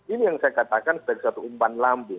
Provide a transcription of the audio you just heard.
ini yang saya katakan sebagai satu umpan lambung